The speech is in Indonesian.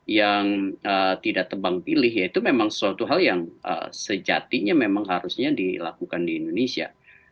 yang tidak tebang pilih ya itu memang suatu hal yang sejatinya memang harusnya dilakukan di indonesia